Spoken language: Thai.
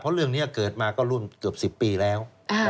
เรื่องนี้เกิดมาก็รุ่นเกือบ๑๐ปีแล้ว